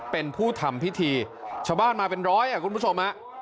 เป็นผู้ทำพิธีชาวบ้านมาเป็นร้อยอ่ะคุณผู้ชมฮะ